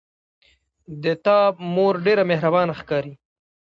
د تا مور ډیره مهربانه ښکاري